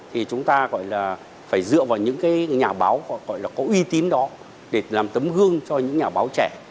thì chúng ta gọi là phải dựa vào những cái nhà báo gọi là có uy tín đó để làm tấm gương cho những nhà báo trẻ